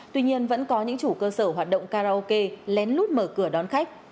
tuy nhiên vẫn có những chủ cơ sở hoạt động karaoke lén lút mở cửa đón khách